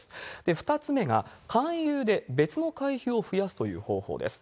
２つ目が勧誘で別の会費を増やすという方法です。